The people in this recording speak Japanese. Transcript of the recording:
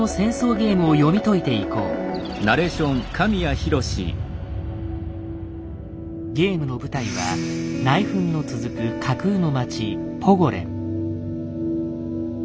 ゲームの舞台は内紛の続く架空の街ポゴレン。